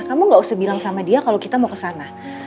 kamu gak usah bilang sama dia kalau kita mau ke sana